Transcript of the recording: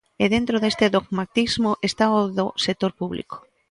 E dentro deste dogmatismo está o do sector público.